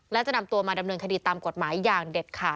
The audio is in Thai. และจะนำตัวมาดำเนินคดีตามกฎหมายอย่างเด็ดขาด